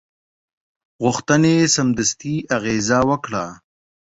غوښتنې سمدستي اغېزه وکړه.